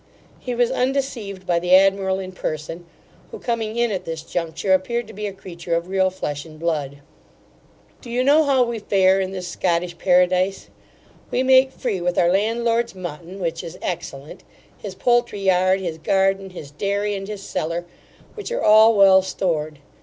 He was undeceived by the admiral in person, who, coming in at this juncture, appeared to be a creature of real flesh and blood. Do you know how we fare in this Scottish paradise? We make free with our landlord's mutton, which is excellent, his poultry yard, his garden, his dairy, and his cellar, which are all well stored.